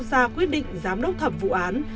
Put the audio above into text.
ra quyết định giám đốc thẩm vụ án